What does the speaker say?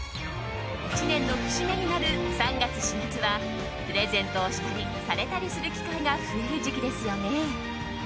１年の節目になる３月、４月はプレゼントをしたりされたりする機会が増える時期ですよね。